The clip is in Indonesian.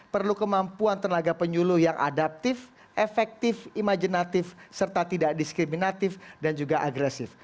perlu kemampuan tenaga penyuluh yang adaptif efektif imajinatif serta tidak diskriminatif dan juga agresif